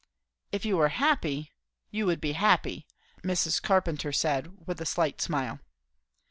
"If you were happy you would be happy," Mrs. Carpenter said with a slight smile.